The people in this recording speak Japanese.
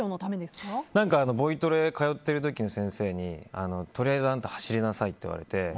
ボイトレ通ってる時の先生にとりあえず走りなさいって言われて。